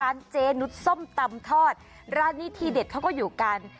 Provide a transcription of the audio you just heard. เจนุสส้มตำทอดร้านนี้ทีเด็ดเขาก็อยู่กัน